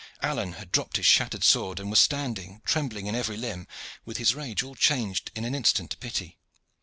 Alleyne had dropped his shattered sword and was standing, trembling in every limb, with his rage all changed in an instant to pity.